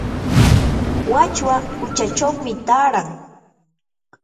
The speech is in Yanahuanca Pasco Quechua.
wachwa quchachawmi taaran.